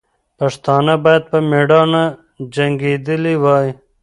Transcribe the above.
پښتانه باید په میړانه جنګېدلي وای.